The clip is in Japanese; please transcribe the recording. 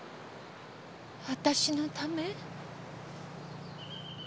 私のため？